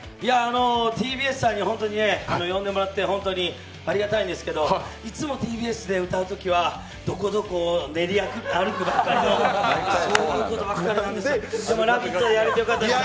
ＴＢＳさんに呼んでもらって本当にありがたいんですけどいつもＴＢＳで歌うときはどこどこ練り歩くばっかりの、そういうことばっかりなんですが、でも「ラヴィット！」でやれてよかったです。